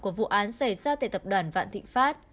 của vụ án xảy ra tại tập đoàn vạn thịnh pháp